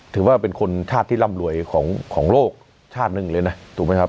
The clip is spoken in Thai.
ถือว่าเป็นชาติที่ร่ำรวยของโลกชาตินึงเลยนะ